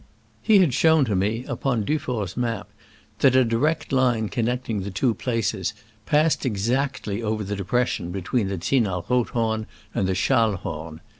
'' He had shown to me, upon Dufour's map, that a direct line connecting the two places passed exactly over the depression between the Zinal Rothhorn and the Schallhorn.